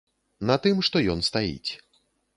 На тым, што ён стаіць.